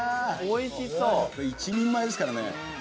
これ１人前ですからね。